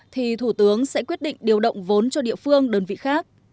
thì thủ tướng sẽ quyết định điều động vốn cho địa phương đơn vị khác